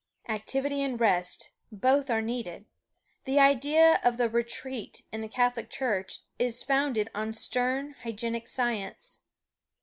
Activity and rest both are needed. The idea of the "retreat" in the Catholic Church is founded on stern, hygienic science.